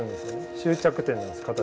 終着点なんです形の。